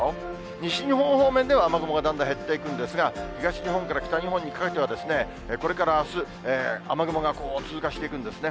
西日本方面では雨雲がだんだん減っていくんですが、東日本から北日本にかけては、これからあす、雨雲が通過していくんですね。